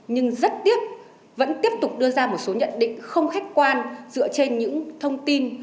nhưng rất tiếc vẫn tiếp tục đưa ra một số nhận định không khách quan dựa trên những thông tin